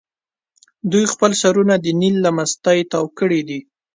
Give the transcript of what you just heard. دوی خپل سرونه د نیل له مستۍ تاو کړي دي.